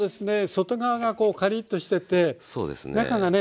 外側がカリッとしてて中がね